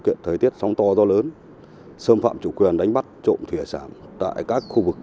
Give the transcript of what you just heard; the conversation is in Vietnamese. kiện thời tiết sóng to gió lớn xâm phạm chủ quyền đánh bắt trộm thủy hải sản tại các khu vực